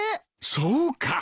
そうか。